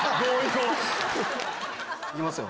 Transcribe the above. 行きますよ。